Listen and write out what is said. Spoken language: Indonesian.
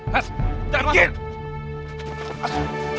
mas jangan mas